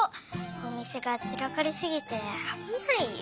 おみせがちらかりすぎてあぶないよ。